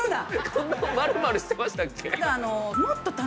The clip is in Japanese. こんな丸々してましたっけ？